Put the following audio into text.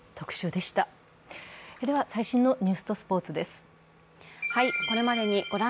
では最新のニュースとスポーツです。